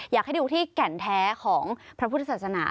อยากให้ดูที่แก่นแท้ของพระพุทธศาสนา